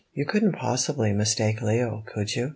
"You couldn't possibly mistake Leo, could you?"